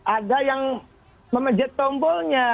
ada yang memejet tombolnya